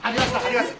あります。